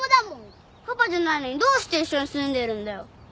パパじゃないのにどうして一緒に住んでるんだよ。